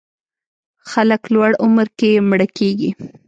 خلک لوړ عمر کې مړه کېږي.